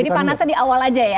jadi panasnya di awal aja ya